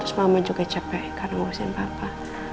terus mama juga capek karena ngurusin papa